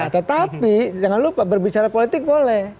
tetapi jangan lupa berbicara politik boleh